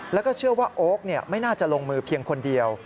แล้วก็เชื่อว่าโอ๊คไม่น่าจะลงมือเพียงคนเดียว